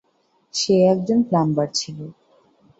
সে একজন প্লাম্বার ছিলো।